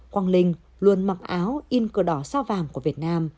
quang linh luôn mặc áo in cờ đỏ sao vàng của việt nam